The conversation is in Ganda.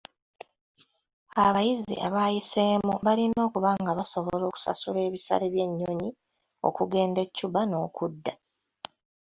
Abayizi abayiseemu balina okuba nga basobola okusasula ebisale by'ennyonyi okugenda e Cuba n'okudda.